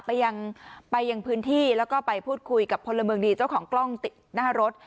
ไปยังไปยังพื้นที่แล้วก็ไปพูดคุยกับพลเมืองดีเจ้าของกล้องติดหน้ารถ